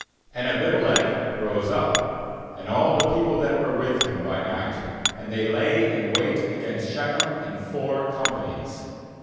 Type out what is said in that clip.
^And Abimelech rose up, and all the people that were with him, by night, and they ky in wait against 306 JUDGES 9.56 Shechem in four companies.